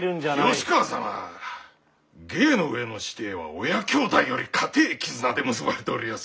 吉川様芸の上の師弟は親兄弟より固え絆で結ばれておりやす。